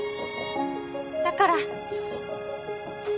だから。